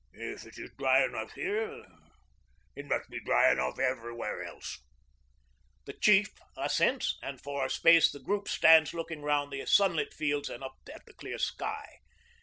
'If it is dry enough here it must be dry enough everywhere else.' The Chief assents, and for a space the group stands looking round the sunlit fields and up at the clear sky.